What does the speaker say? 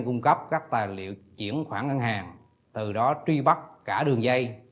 cung cấp các tài liệu chuyển khoản ngân hàng từ đó truy bắt cả đường dây